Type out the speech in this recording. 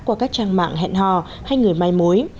qua các trang mạng hẹn hò hay người mai mối